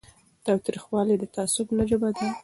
تاوتریخوالی د تعصب ژبه ده